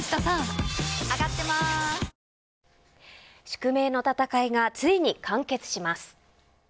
宿命の戦いがついに完結します。